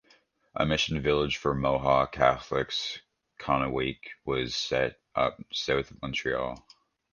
A mission village for Mohawk Catholics, Kahnawake, was set up south of Montreal.